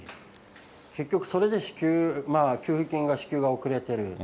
結局、それで給付金が支給が遅れてる。